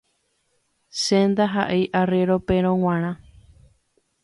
che ndaha'éi arriéro perõ g̃uarã